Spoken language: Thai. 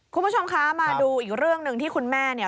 คุณผู้ชมคะมาดูอีกเรื่องหนึ่งที่คุณแม่เนี่ย